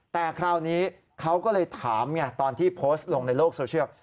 แต่คราวนี้เขาก็เลยถามไงตอนที่โพสต์ลงในโลกโซเชียล